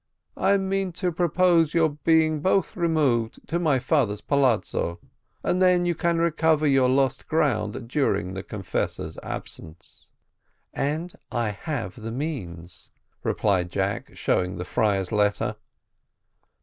I mean to propose your both being removed to my father's palazzo, and then you can recover your lost ground during the confessor's absence." "And I have the means," replied Jack, showing the friar's letter.